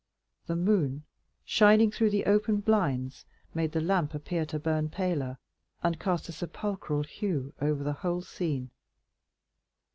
The moon shining through the open blinds made the lamp appear to burn paler, and cast a sepulchral hue over the whole scene.